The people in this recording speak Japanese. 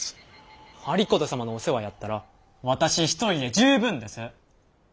有功様のお世話やったら私一人で十分です！